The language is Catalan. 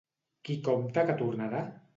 Qui compta que tornarà?